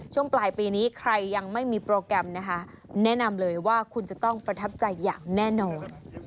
ช่วงปลายปีนี้ใครยังไม่มีโปรแกรมนะคะแนะนำเลยว่าคุณจะต้องประทับใจอย่างแน่นอน